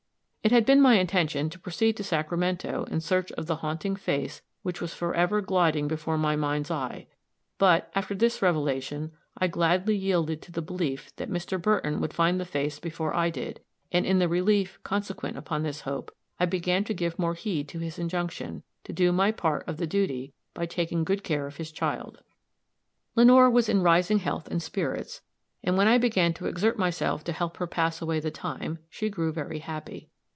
It had been my intention to proceed to Sacramento in search of the haunting face which was forever gliding before my mind's eye; but, after this revelation, I gladly yielded to the belief that Mr. Burton would find the face before I did; and, in the relief consequent upon this hope, I began to give more heed to his injunction, to do my part of the duty by taking good care of his child. Lenore was in rising health and spirits, and when I began to exert myself to help her pass away the time, she grew very happy.